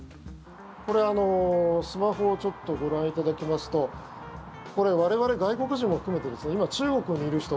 これ、スマホをご覧いただきますと我々、外国人も含めて今、中国にいる人